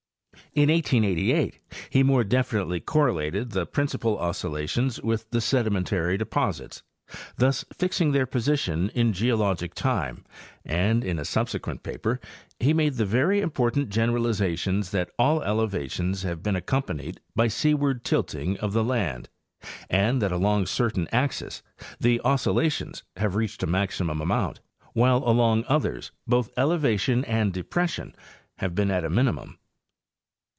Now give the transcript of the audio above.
In 1888 + he more definitely correlated the principal oscillations with the sedimentary deposits, thus fixing their position in geo logic time, and in a subsequent paper { he made the very impor tant generalizations that all elevations have been accompanied by seaward tilting of the land, and that along certain axes the oscillations have reached a maximum amount, while along others both elevation and depression have been at a minimum.